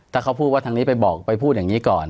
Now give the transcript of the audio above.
ถ้าเขาพูดว่าทางนี้ไปบอกไปพูดอย่างนี้ก่อน